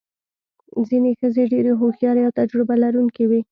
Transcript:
ځینې ښځې ډېرې هوښیارې او تجربه لرونکې وې.